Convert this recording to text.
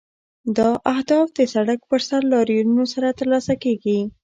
دا اهداف د سړک پر سر لاریونونو سره ترلاسه کیږي.